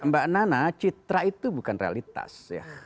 mbak nana citra itu bukan realitas ya